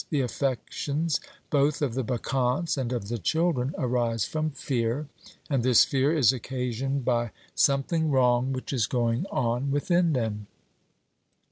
The affections, both of the Bacchantes and of the children, arise from fear, and this fear is occasioned by something wrong which is going on within them.